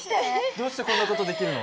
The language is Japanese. どうしてこんな事できるの？